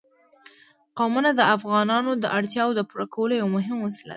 قومونه د افغانانو د اړتیاوو د پوره کولو یوه مهمه وسیله ده.